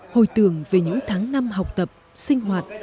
hồi tưởng về những tháng năm học tập sinh hoạt